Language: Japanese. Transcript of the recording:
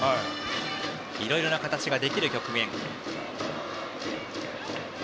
いろいろな形ができる局面。